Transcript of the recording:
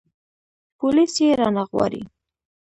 پوليس يې رانه غواړي.